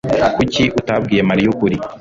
Kuki atabwiye Mariya ukuri?